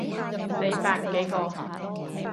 死百幾個